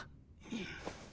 うん。